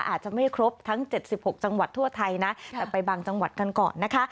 อาจจะไม่ครบทั้ง๗๖จังหวัดทั่วไทยนะแต่ไปบางจังหวัดกันก่อนนะคะ